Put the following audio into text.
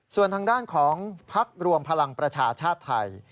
ส่วนทางด้านของพักรวมพลังประชาชาติไทย